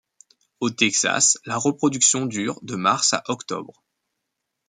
Au Texas, la reproduction dure de mars à octobre.